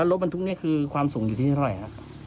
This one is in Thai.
ปกติแล้วรถบรรทุกนี่คือความสูงอยู่ที่ไหนครับ